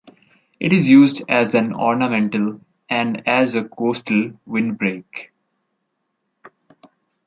It is used as an ornamental, and as a coastal windbreak.